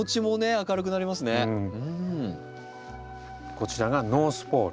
こちらがノースポール。